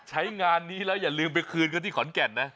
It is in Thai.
ใช้งานนี้แล้วอย่าลืมไปคืนกันที่ขอนแก่นนะ